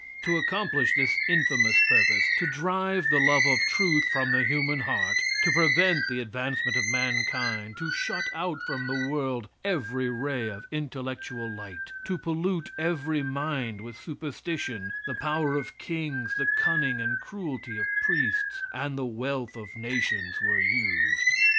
To accomplish this infamous purpose, to drive the love of truth from the human heart; to prevent the advancement of mankind to shut out from the world every ray of intellectual light to pollute every mind with superstition, the power of kings, the cunning and cruelty of priests, and the wealth of nations were used.